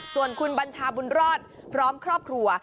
ส่วนคุณบัญชาบุญรอดพร้อมครอบครัว